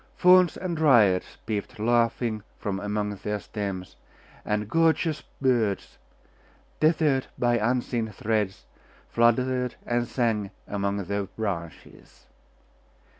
Fauns and Dryads peeped laughing from among their stems, and gorgeous birds, tethered by unseen threads, fluttered and sang among their branches.